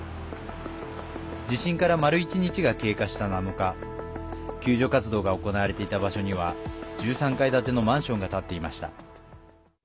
地震から丸１日が経過した７日救助活動が行われていた場所には１３階建てのマンションが建っていました。